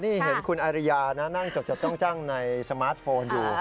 นี่เห็นคุณอาริยานะนั่งจดจ้องในสมาร์ทโฟนอยู่